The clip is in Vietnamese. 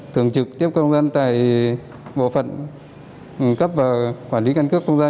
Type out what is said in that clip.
thường trực tiếp công dân tại bộ phận cấp và quản lý căn cước công dân